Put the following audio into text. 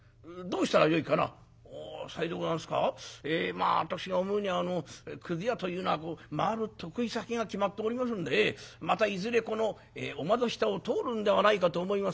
まあ私が思うにくず屋というのは回る得意先が決まっておりますんでまたいずれこのお窓下を通るんではないかと思いますがな」。